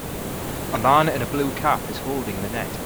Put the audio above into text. A man in blue cap is holding the net.